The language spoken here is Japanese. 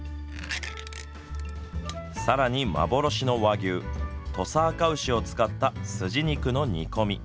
さらに幻の和牛土佐あかうしを使ったすじ肉の見込み。